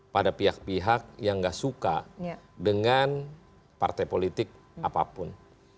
pada pihak pihak yang gak suka dengan partai politik apapun